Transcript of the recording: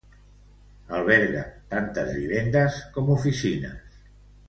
Alberga tantes vivendes com oficines.